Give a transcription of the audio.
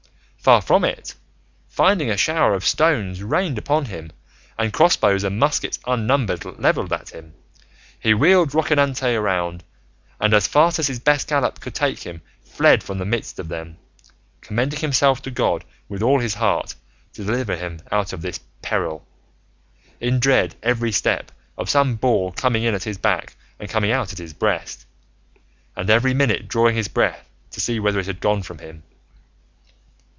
Far from it, finding a shower of stones rained upon him, and crossbows and muskets unnumbered levelled at him, he wheeled Rocinante round and, as fast as his best gallop could take him, fled from the midst of them, commending himself to God with all his heart to deliver him out of this peril, in dread every step of some ball coming in at his back and coming out at his breast, and every minute drawing his breath to see whether it had gone from him.